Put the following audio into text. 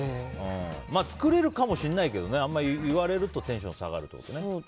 まあ作れるかもしれないけど言われるとテンション下がるってことね。